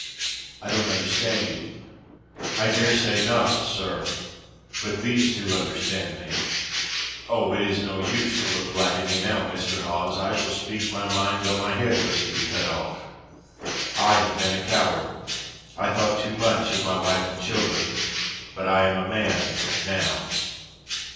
"I don't understand you." "I dare say not, sir; but those two understand me. Oh, it is no use to look black at me now, Mr. Hawes; I shall speak my mind though my head was to be cut off. I have been a coward; I thought too much of my wife and children; but I am a man now.